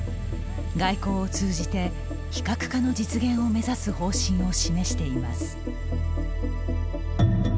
外交を通じて非核化の実現を目指す方針を示しています。